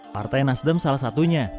partai nasdem salah satunya